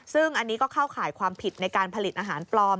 ซึ่งอันนี้ก็เข้าข่ายความผิดในการผลิตอาหารปลอม